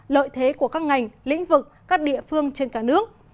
lợi thế của các ngành lĩnh vực các địa phương trên cả nước